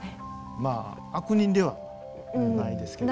まあ悪人ではないですけど。